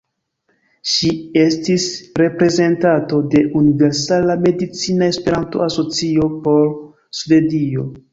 Ŝi estis reprezentanto de Universala Medicina Esperanto-Asocio por Svedio.